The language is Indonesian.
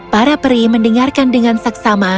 para peri mendengarkan dengan saksama